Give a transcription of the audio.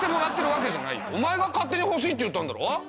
お前が勝手に欲しいって言ったんだろ？